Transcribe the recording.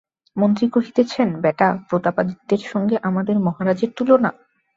মন্ত্রী কহিতেছেন, বেটা, প্রতাপাদিত্যের সঙ্গে আমাদের মহারাজের তুলনা।